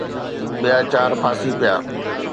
ٻيا چار ڦاسي پيا